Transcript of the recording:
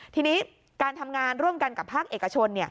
ทีนี้การทำงานร่วมกันกับภาคเอกชน